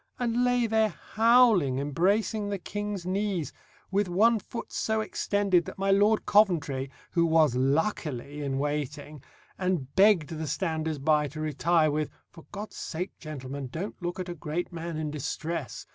and lay there howling, embracing the King's knees, with one foot so extended that my Lord Coventry, who was luckily in waiting, and begged the standers by to retire, with, "For God's sake, gentlemen, don't look at a great man in distress!"